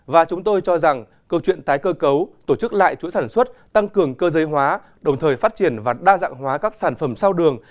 và chúng tôi cho rằng câu chuyện tái cơ cấu tổ chức lại chuỗi sản xuất tăng cường cơ giới hóa đồng thời phát triển và đa dạng hóa các sản phẩm sau đường